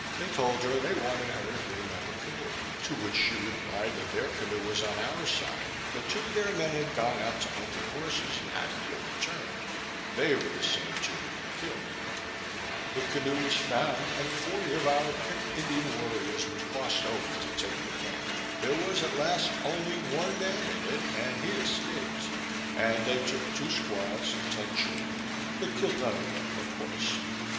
They told her they wanted her to bring them a canoe. To which she replied, that their canoe was on our side; that two of their men had gone out to hunt their horses and hadn't yet returned. They were the same two we had killed. The canoe was found, and forty of our picked Indian warriors were crossed over to take the camp. There was at last only one man in it, and he escaped; and they took two squaws, and ten children, but killed none of them, of course.